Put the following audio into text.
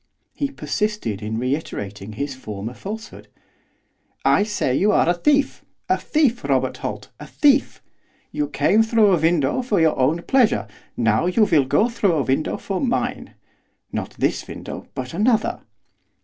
He persisted in reiterating his former falsehood. 'I say you are a thief! a thief, Robert Holt, a thief! You came through a window for your own pleasure, now you will go through a window for mine, not this window, but another.